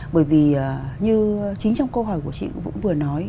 bởi vì như chính trong câu hỏi của chị cũng vừa nói